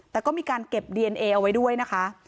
แต่ก็มีการเก็บดีเอนเอเอาไว้ด้วยนะคะ